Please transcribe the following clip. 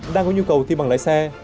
đang có nhu cầu thi bằng lái xe